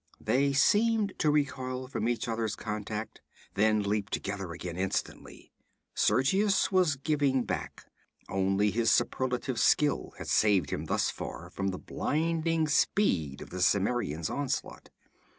They seemed to recoil from each other's contact, then leap together again instantly. Sergius was giving back; only his superlative skill had saved him thus far from the blinding speed of the Cimmerian's onslaught.